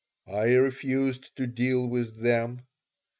I refused to deal with them.